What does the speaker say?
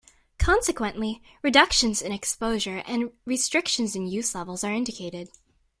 Consequently, reductions in exposure and restrictions in use levels are indicated.